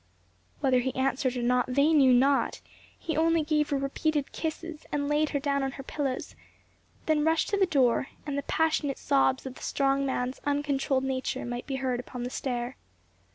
Whether he answered or not they knew not; he only gave her repeated kisses, and laid her down on her pillows, then rushed to the door, and the passionate sobs of the strong man's uncontrolled nature might be heard upon the stair.